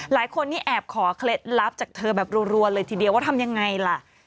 หลายคนนี่แอบขอเคล็ดลับจากเธอแบบรัวเลยทีเดียวว่าทำยังไงล่ะ